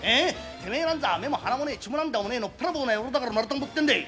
てめえなんぞは目も鼻もねえ血も涙もねえのっぺらぼうな野郎だから丸太ん棒ってんでえ。